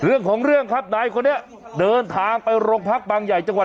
เรื่องของเรื่องครับนายคนนี้เดินทางไปโรงพักบางใหญ่จังหวัด